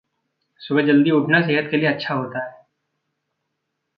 सुबह जल्दी उठना सेहत के लिए अच्छा होता है।